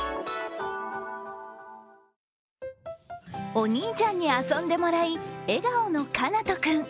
お兄ちゃんに遊んでもらい笑顔のかなと君。